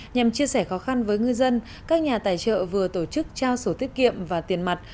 nhằm chia sẻ khó khăn với ngư dân các nhà tài trợ vừa tổ chức trao sổ tiết kiệm và tiền mặt